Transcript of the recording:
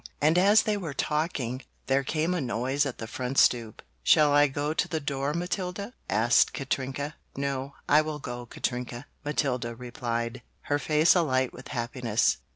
And as they were talking, there came a noise at the front stoop. "Shall I go to the door, Matilda?" asked Katrinka. "No, I will go, Katrinka!" Matilda replied, her face alight with happiness.